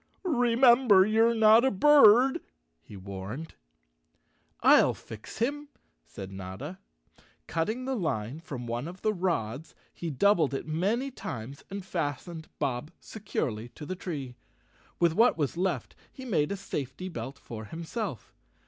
"Remember you're not a bird," he warned. "I'll fix him," said Notta. Cutting the line from one of the rods he doubled it many times and fastened Bob securely to the tree. With what was left, he made a safety belt for himself.